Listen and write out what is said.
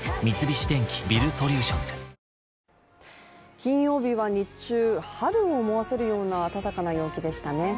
金曜日は日中春を思わせるような、暖かな陽気でしたね。